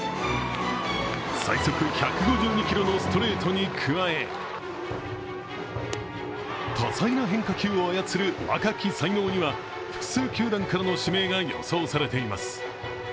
最速１５２キロのストレートに加え、多彩な変化球を操る若き才能には複数球団からの指名が予想されています。